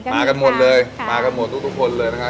มากันหมดเลยมากันหมดทุกคนเลยนะครับ